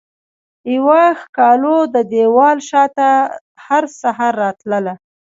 یوه ښکالو ددیوال شاته هرسحر راتلله